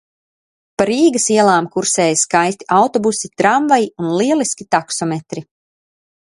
Pa Rīgas ielām kursēja skaisti autobusi, tramvaji un lieliski taksometri.